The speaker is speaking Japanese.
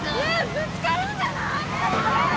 ぶつかるんじゃない？